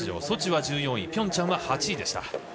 ソチは１４位ピョンチャンは８位でした。